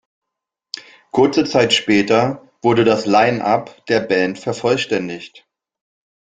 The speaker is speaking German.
Kurze Zeit später wurde das Lineup der Band vervollständigt.